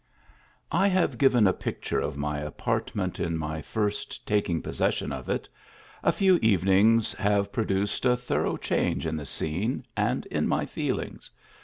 I HAVE given a picture of my apartment en nrjf first taking possession of it; a few evening s have produced a thorough change in the scene and in my feelings.